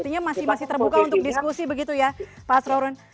artinya masih terbuka untuk diskusi begitu ya pak asrorun